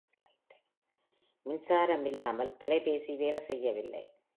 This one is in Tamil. மின்சாரம் இல்லாமல் தொலைபேசி வேலை செய்யவில்லை.